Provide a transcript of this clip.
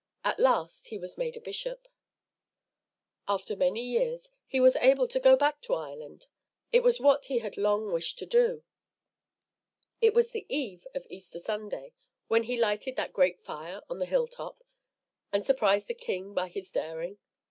At last he was made a bishop. After many years, he was able to go back to Ireland. It was what he had long wished to do. It was the eve of Easter Sunday when he lighted that great fire on the hilltop and surprised the king by his daring.